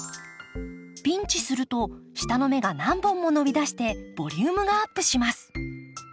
ピンチすると下の芽が何本も伸びだしてボリュームがアップします。